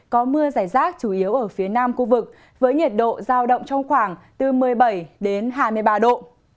có mưa giải rác chủ yếu ở phía nam khu vực với nhiệt độ giao động trong khoảng từ một mươi bảy đến hai mươi ba độ